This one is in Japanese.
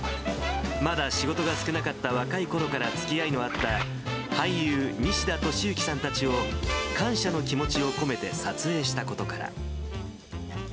まだ仕事が少なかった若いころからつきあいのあった俳優、西田敏行さんたちを、感謝の気持ちを込めて撮影したことから。